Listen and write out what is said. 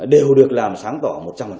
đều được làm sáng tỏ một trăm linh